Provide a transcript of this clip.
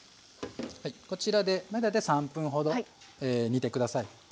こちらで大体３分ほど煮て下さい。